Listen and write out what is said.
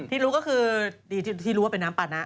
ที่รู้ก็คือดีที่รู้ว่าเป็นน้ำปานะ